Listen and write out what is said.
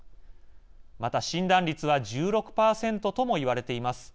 また、診断率は１６％とも言われています。